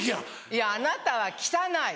いやあなたは汚い！